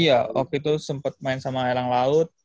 iya waktu itu sempet main sama elang laut